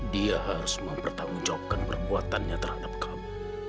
dia harus mempertanggungjawabkan perbuatannya terhadap kamu